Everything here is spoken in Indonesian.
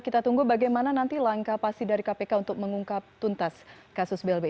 kita tunggu bagaimana nanti langkah pasti dari kpk untuk mengungkap tuntas kasus blbi